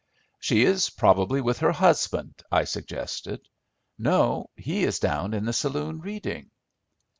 "She is probably with her husband," I suggested. "No, he is down in the saloon reading."